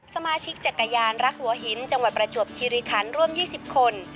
สมาชิกจักรยานรักหัวหินจังหวัดประจวบคิริคันร่วม๒๐คน